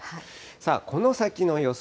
さあ、この先の予想